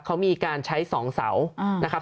เขามีการใช้๒เสานะครับ